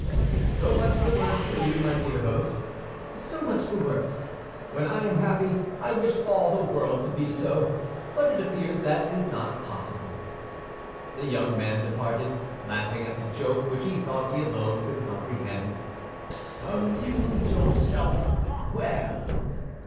"So much the worse for you, my dear host, so much the worse! When I am happy, I wish all the world to be so; but it appears that is not possible." The young man departed, laughing at the joke, which he thought he alone could comprehend. "Amuse yourself well!"